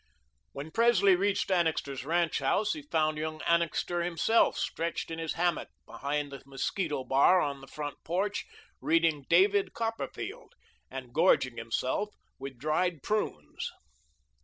When Presley reached Annixter's ranch house, he found young Annixter himself stretched in his hammock behind the mosquito bar on the front porch, reading "David Copperfield," and gorging himself with dried prunes.